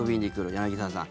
柳澤さん